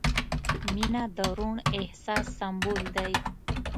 • مینه د روڼ احساس سمبول دی.